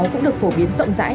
cũng được phổ biến rộng rãi